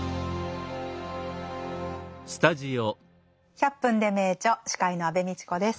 「１００分ｄｅ名著」司会の安部みちこです。